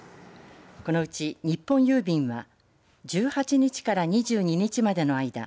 このうち日本郵便は１８日から２２日までの間